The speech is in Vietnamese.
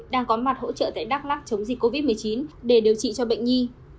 đang có mặt hỗ trợ tại đắk lắc chống dịch covid một mươi chín để điều trị cho bệnh nhi